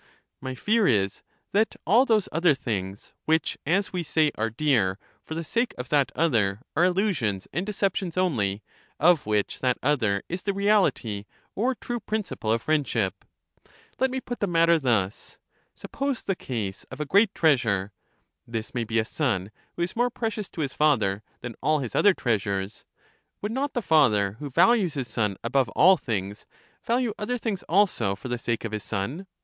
My fear is that all those other things, which, as we say, are dear for the sake of that other, are illusions and deceptions only, of which that other is the reality or true principle of friendship. Let me put the mat ter thus: Suppose the case of a great treasure (this may be a son, who is more precious to his father than all his other treasures) ; would not the father, who values his son above all things, value other things also for the sake of his son?